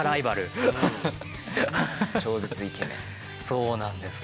そうなんです。